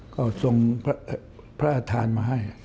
ก็ทรงพระอาธานมาให้